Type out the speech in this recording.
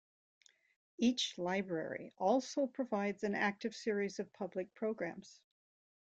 Each library also provides an active series of public programs.